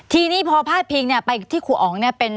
ทีนี้พอพลาดพิงไปที่ครูอ๋๋ง